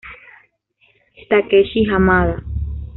Takeshi Hamada